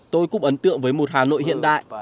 tôi cũng ấn tượng với một hà nội hiện đại